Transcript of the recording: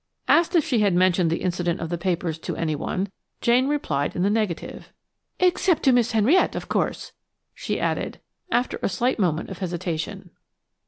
Asked if she had mentioned the incident of the papers to anyone, Jane replied in the negative. "Except to Miss Henriette, of course," she added, after a slight moment of hesitation.